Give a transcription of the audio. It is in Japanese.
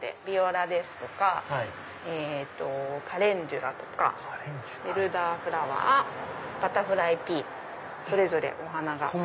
ビオラですとかカレンジュラとかエルダーフラワーバタフライピーそれぞれお花が。